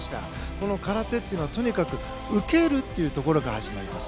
この空手というのはとにかく受けるというところから始まります。